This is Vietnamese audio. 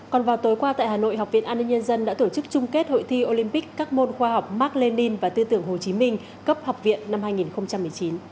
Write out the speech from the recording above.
còn vào tối qua tại hà nội học viện an ninh nhân dân đã tổ chức chung kết hội thi olympic các môn khoa học mark lenin và tư tưởng hồ chí minh cấp học viện năm hai nghìn một mươi chín